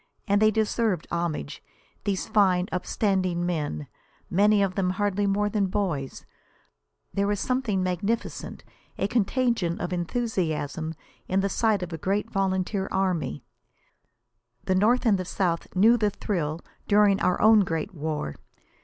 And they deserved homage, those fine, upstanding men, many of them hardly more than boys, marching along with a fine, full swing. There is something magnificent, a contagion of enthusiasm, in the sight of a great volunteer army. The North and the South knew the thrill during our own great war.